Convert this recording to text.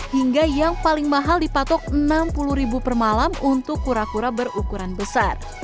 hingga yang paling mahal dipatok rp enam puluh per malam untuk kura kura berukuran besar